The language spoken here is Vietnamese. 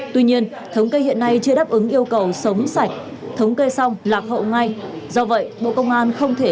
tuy nhiên thống kê hiện nay chưa đáp ứng yêu cầu sống sạch thống kê xong lạc hậu ngay